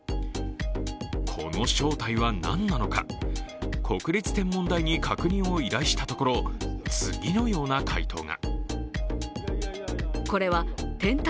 この正体は何なのか国立天文台に確認を依頼したところ次のような回答が。